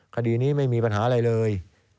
คดีนี้ไม่มีปัญหาอะไรเลย